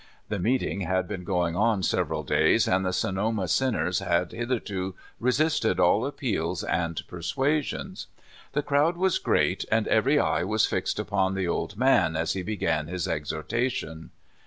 The meeting had been going on several days, and the Sonoma sinners had hitherto resisted all appeals and persuasions. The crowd was great, and every eye was fixed upon the old man as he began his exhortation.